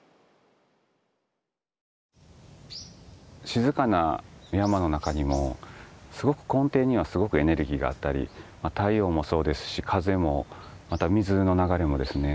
静かな山の中にもすごく根底にはすごくエネルギーがあったり太陽もそうですし風もまた水の流れもですね